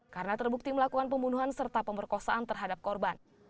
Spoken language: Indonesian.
karena terbukti melakukan pembunuhan serta pemberkosaan terhadap korban